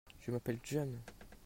Je m'appelle John.